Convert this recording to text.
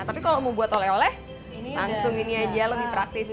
tapi kalau mau buat oleh oleh langsung ini aja lebih praktis